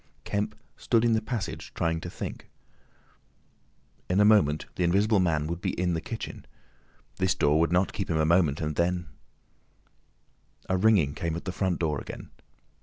Kemp stood in the passage trying to think. In a moment the Invisible Man would be in the kitchen. This door would not keep him a moment, and then— A ringing came at the front door again.